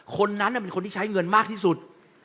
คนนั้นเป็นคนที่ใช้เงินมากที่สุด